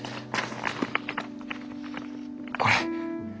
これ。